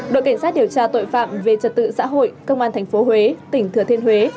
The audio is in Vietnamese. đội cảnh sát điều tra tội phạm về trật tự xã hội công an tp huế tỉnh thừa thiên huế